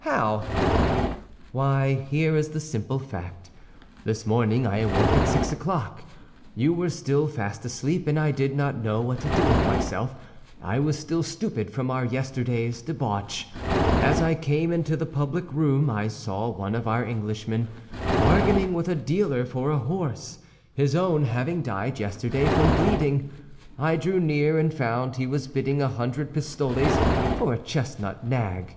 "How?" "Why, here is the simple fact. This morning I awoke at six o'clock. You were still fast asleep, and I did not know what to do with myself; I was still stupid from our yesterday's debauch. As I came into the public room, I saw one of our Englishman bargaining with a dealer for a horse, his own having died yesterday from bleeding. I drew near, and found he was bidding a hundred pistoles for a chestnut nag.